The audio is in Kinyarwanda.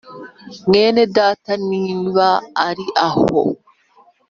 Mwene data niba ari aho